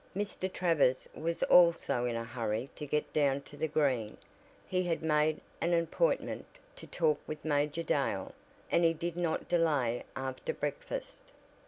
Mr. Travers was also in a hurry to get down to the Green, he had made an appointment to talk with Major Dale and he did not delay after breakfast.